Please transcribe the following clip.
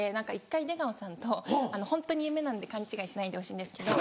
１回出川さんとホントに夢なんで勘違いしないでほしいんですけど。